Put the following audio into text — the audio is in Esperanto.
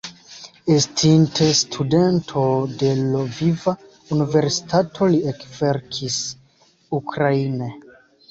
Estinte studento de Lviva Universitato li ekverkis ukraine.